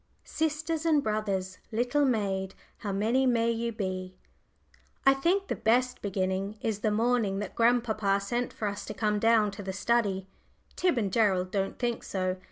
"Sisters and brothers, little maid, How many may you be?" I think the best beginning is the morning that grandpapa sent for us to come down to the study. Tib and Gerald, don't think so.